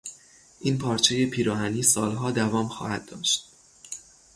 این پارچهی پیراهنی سالها دوام خواهد داشت.